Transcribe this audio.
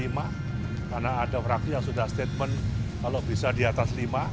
karena ada fraksi yang sudah statement kalau bisa di atas lima